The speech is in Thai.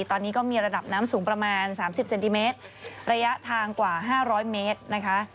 ตอนนี้ก็มีระดับน้ำสูงประมาณ๓๐เซนติเมตรระยะทางกว่า๕๐๐เมตรนะคะ